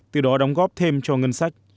từ đó đóng góp thêm cho ngân sách